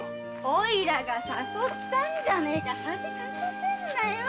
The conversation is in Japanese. おいらが誘ったんじゃねえか恥かかせんなよ！